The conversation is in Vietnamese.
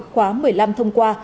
khóa một mươi năm thông qua